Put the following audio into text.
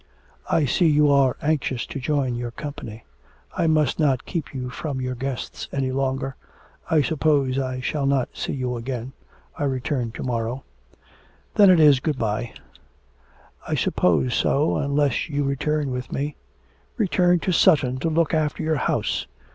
'I see you are anxious to join your company, I must not keep you from your guests any longer. I suppose I shall not see you again, I return to morrow.' 'Then it is good bye.' 'I suppose so, unless you return with me.' 'Return to Sutton to look after your house!'